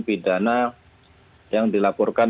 pidana yang dilaporkan